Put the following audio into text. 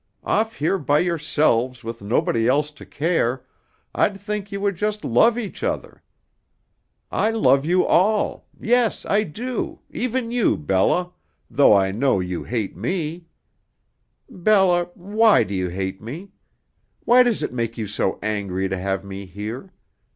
Off here by yourselves with nobody else to care, I'd think you would just love each other. I love you all yes, I do, even you, Bella, though I know you hate me. Bella, why do you hate me? Why does it make you so angry to have me here?